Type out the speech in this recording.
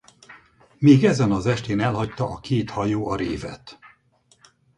Még ezen az estén elhagyta a két hajó a révet.